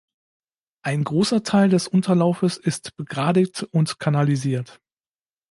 Ein großer Teil des Unterlaufes ist begradigt und kanalisiert.